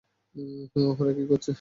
ওরা কী করছে?